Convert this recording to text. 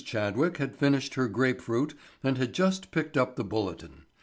Chadwick had finished her grape fruit and had just picked up the Bulletin.